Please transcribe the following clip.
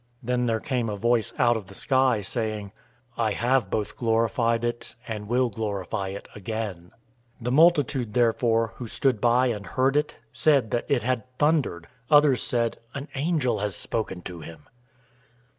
Then there came a voice out of the sky, saying, "I have both glorified it, and will glorify it again." 012:029 The multitude therefore, who stood by and heard it, said that it had thundered. Others said, "An angel has spoken to him."